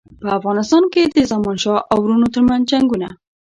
په افغانستان کې د زمانشاه او وروڼو ترمنځ جنګونه.